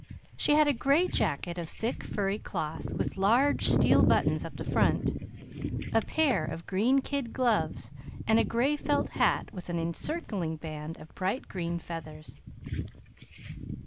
She had a gray jacket of thick furry cloth with large steel buttons up the front, a pair of green kid gloves, and a gray felt hat with an encircling band of bright green feathers.